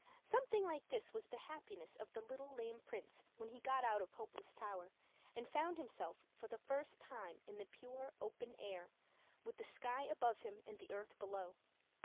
Something like this was the happiness of the little lame Prince when he got out of Hopeless Tower, and found himself for the first time in the pure open air, with the sky above him and the earth below.